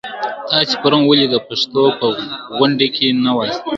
تاسي پرون ولي د پښتو په غونډې کي نه واست؟